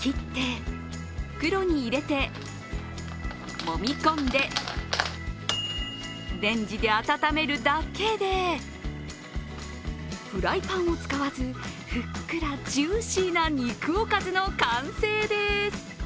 切って、袋に入れて、もみ込んでレンジで温めるだけでフライパンを使わず、ふっくらジューシーな肉おかずの完成です。